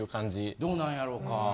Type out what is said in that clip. どうなんやろうか。